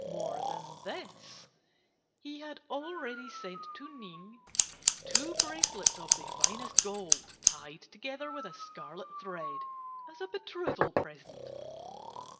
More than this, he had already sent to Ning two bracelets of the finest gold, tied together with a scarlet thread, as a betrothal present.